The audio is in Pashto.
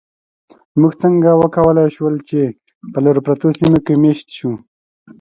موږ څنګه وکولی شول، چې په لرو پرتو سیمو کې مېشت شو؟